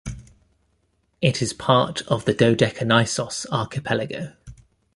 It is part of the Dodekanissos archipelago.